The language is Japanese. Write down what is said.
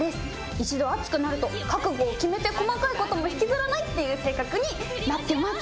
一度熱くなると覚悟を決めて細かいことも引きずらないっていう性格になってます。